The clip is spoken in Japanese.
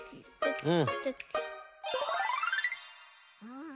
うん。